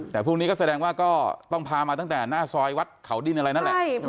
แต่พวกนี้ก็แสดงว่าก็ต้องพามาตั้งแต่หน้าซอยวัดเขาดินอะไรนั่นแหละ